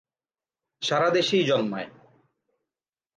সারা দেশেই জন্মায়।